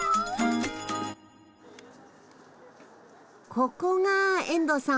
ここが遠藤さん